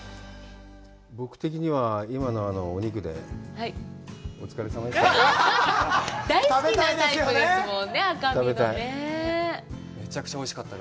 僕的には今のお肉でお疲れさまでした。